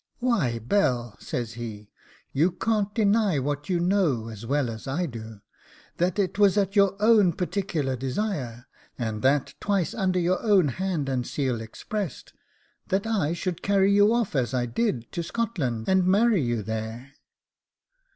'Why, Bell,' says he, 'you can't deny what you know as well as I do, that it was at your own particular desire, and that twice under your own hand and seal expressed, that I should carry you off as I did to Scotland, and marry you there.